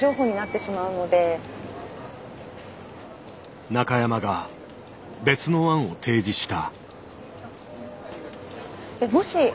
私中山が別の案を提示した。